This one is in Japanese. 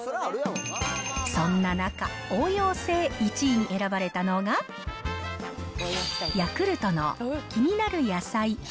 そんな中、応用性１位に選ばれたのが、ヤクルトのきになる野菜１００